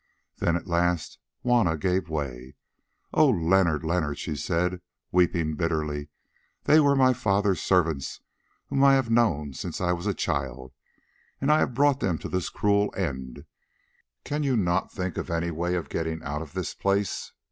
Then at last Juanna gave way. "Oh! Leonard, Leonard," she said, weeping bitterly, "they were my father's servants whom I have known since I was a child, and I have brought them to this cruel end. Cannot you think of any way of getting out of this place?